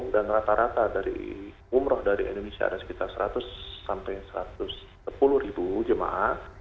nah itu berlaku dan rata rata dari umroh dari indonesia ada sekitar seratus sampai satu ratus sepuluh ribu jemaah